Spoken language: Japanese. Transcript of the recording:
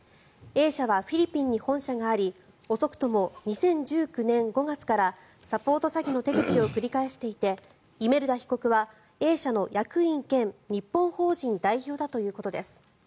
Ａ社はフィリピンに本社があり遅くとも２０１９年５月からサポート詐欺の手口を繰り返していてイメルダ被告はＡ社の役員兼日本法人代表だということです。